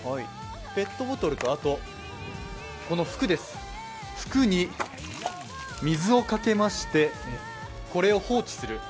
ペットボトルと服に水をかけまして、これを放置する。